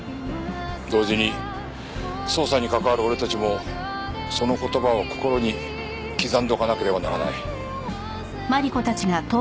同時に捜査に関わる俺たちもその言葉を心に刻んでおかなければならない。